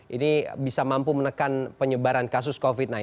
ini bisa mampu menekan penyebaran kasus covid sembilan belas